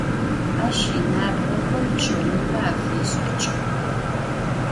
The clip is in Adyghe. Aş yinabğoxer çı ğumıme axêş'ıç'ı.